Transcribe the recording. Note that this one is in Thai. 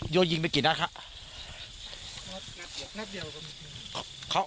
โยยิงไปกี่นัดครับ